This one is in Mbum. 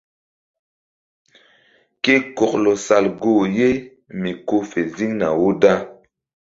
Ke kɔklɔ sal goh ye mi ko fe ziŋna wo da.